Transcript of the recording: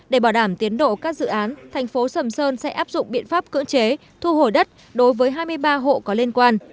để bảo đảm tiến độ các dự án thành phố sầm sơn sẽ áp dụng biện pháp cưỡng chế thu hồi đất đối với hai mươi ba hộ có liên quan